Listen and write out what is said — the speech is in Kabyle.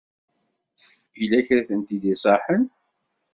Yella kra i tent-id-isaḥen?